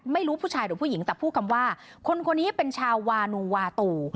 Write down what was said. ไม่รู้ผู้ชายหรือผู้หญิงแต่พูดคำว่าคนคนนี้เป็นชาววานูวาตู